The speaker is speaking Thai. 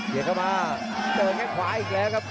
เห็นเข้ามาเกินแค่งขวาอีกแล้วครับ